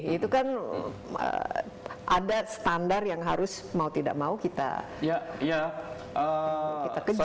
itu kan ada standar yang harus mau tidak mau kita kejar